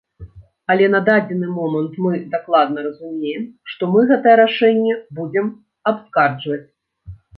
Але на дадзены момант мы дакладна разумеем, што мы гэтае рашэнне будзем абскарджваць.